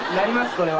これは。